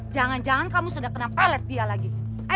jangan jangan kamu sudah kena palet dia lagi